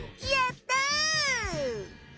やった！